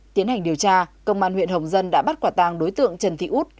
tiến hành điều tra công an huyện hồng dân đã bắt quả tàng đối tượng trần thị út